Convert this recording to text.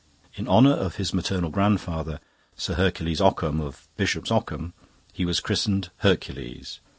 In honour of his maternal grandfather, Sir Hercules Occam of Bishop's Occam, he was christened Hercules.